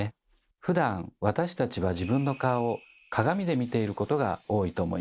ふだん私たちは自分の顔を鏡で見ていることが多いと思います。